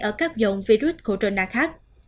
ở các dòng virus corona khác